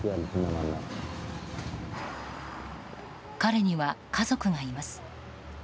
彼には家族がいます。